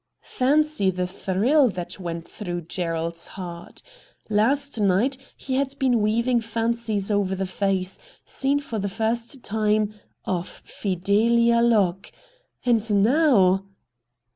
Fancy the thrill that went through Gerald's heart ! Last night he had been weav ing fancies over the face, seen for the first time, of Fidelia Locke — and now